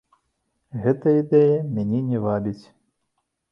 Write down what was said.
Гэтая ідэя мяне не вабіць.